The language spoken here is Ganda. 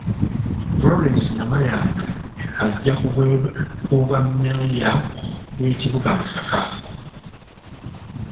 Florence Namayanja ajja ku bwammeeya bw'ekibuga Masaka.